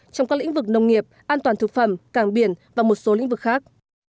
trong các lĩnh vực nông nghiệp an toàn thực phẩm cảng biển và một số lĩnh vực khác